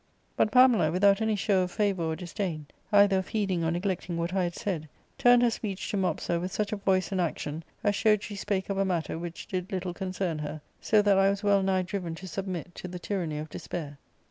" But Pamela, without any show of favour or disdain, either of heeding or neglecting what I had said, turned her speech to Mopsa with such a voice and action as showed she spake of a matter which did little concern her, so that I was ^ well nigh driven to submit to the tyranny of despair.'